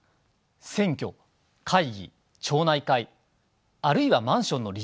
選挙会議町内会あるいはマンションの理事会。